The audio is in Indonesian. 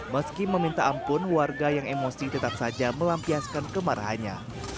meski meminta ampun warga yang emosi tetap saja melampiaskan kemarahannya